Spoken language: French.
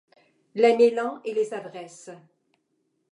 Les Mélans et les Avresses.